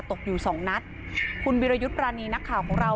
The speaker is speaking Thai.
ตกอยู่สองนัดคุณวิรยุทธ์ปรานีนักข่าวของเรา